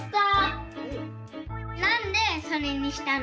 なんでそれにしたの？